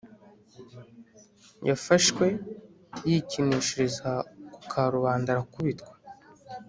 yafashwe yikinishiriza ku karubanda arakubitwa